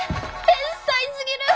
天才すぎる！